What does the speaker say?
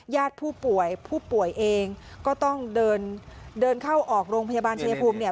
ญาติผู้ป่วยผู้ป่วยเองก็ต้องเดินเดินเข้าออกโรงพยาบาลชายภูมิเนี่ย